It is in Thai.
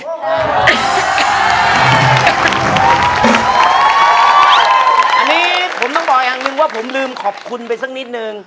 อันนี้ผมต้องบอกอย่างหนึ่งว่าผมลืมขอบคุณไปสักนิดนึง